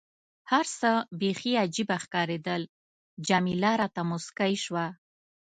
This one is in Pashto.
هر څه بیخي عجيبه ښکارېدل، جميله راته موسکۍ شوه.